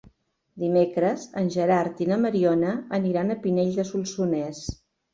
Dimecres en Gerard i na Mariona aniran a Pinell de Solsonès.